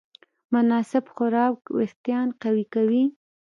مناسب خوراک وېښتيان قوي کوي.